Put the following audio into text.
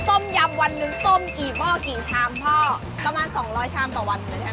ต้มยำวันหนึ่งต้มกี่หม้อกี่ชามพ่อประมาณสองร้อยชามต่อวันนะคะ